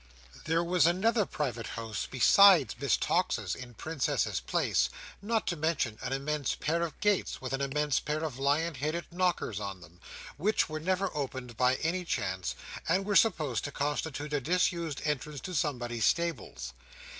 There was another private house besides Miss Tox's in Princess's Place: not to mention an immense Pair of gates, with an immense pair of lion headed knockers on them, which were never opened by any chance, and were supposed to constitute a disused entrance to somebody's stables.